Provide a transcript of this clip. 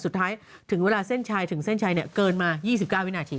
สุดท้ายถึงเวลาเส้นชายถึงเส้นชายเนี่ยเกินมา๒๙วินาที